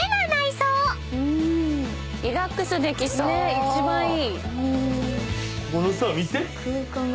一番いい。